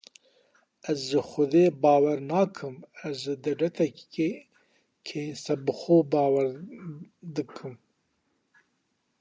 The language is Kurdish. Ez ji xwedê bawer nakim ez ji dewleteke serbixwe bawer dikim.